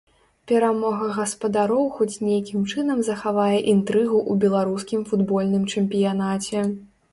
Перамога гаспадароў хоць нейкім чынам захавае інтрыгу ў беларускім футбольным чэмпіянаце.